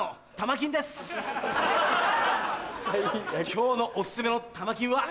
今日のお薦めのタマキンは。